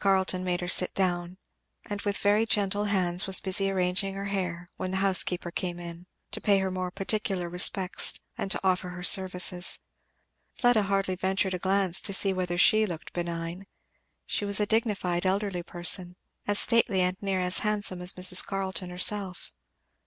Carleton made her sit down, and with very gentle hands was busy arranging her hair, when the housekeeper came in; to pay her more particular respects and to offer her services. Fleda hardly ventured a glance to see whether she looked benign. She was a dignified elderly person, as stately and near as handsome as Mrs. Carleton herself.